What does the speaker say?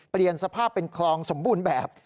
เปลี่ยนสภาพเป็นคลองสมบูรณ์แบบ